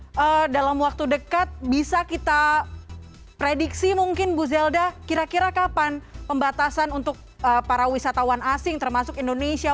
tapi dalam waktu dekat bisa kita prediksi mungkin bu zelda kira kira kapan pembatasan untuk para wisatawan asing termasuk indonesia